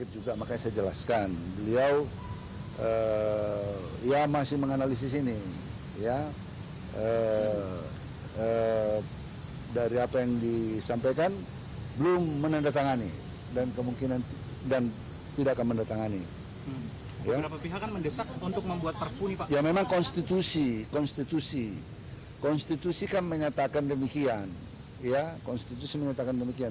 ya memang konstitusi konstitusi konstitusi kan menyatakan demikian ya konstitusi menyatakan demikian